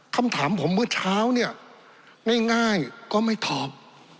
คำถามผมเมื่อเช้าเนี่ยง่ายก็ไม่ตอบ